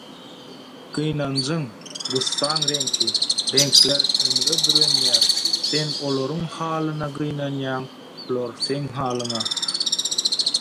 Gynanjyň, gussaň reňki – reňkler ümüre bürenýär, sen olaryň halyna gynanýaň, olar seň halyňa.